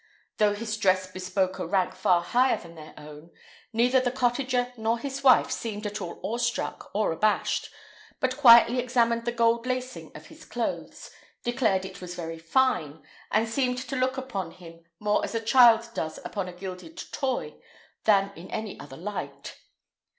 Though his dress bespoke a rank far higher than their own, neither the cottager nor his wife seemed at all awe struck or abashed, but quietly examined the gold lacing of his clothes, declared it was very fine, and seemed to look upon him more as a child does upon a gilded toy than in any other light.